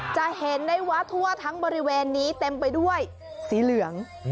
จะเห็นได้ว่าทั่วทั้งบริเวณนี้เต็มไปด้วยสีเหลือง